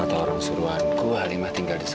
dia memang korkomu noodle